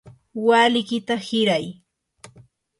walikiyta hiray.